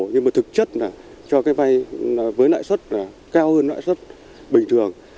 nhưng mà thực chất cho cái vay với lãi suất cao hơn lãi suất bình thường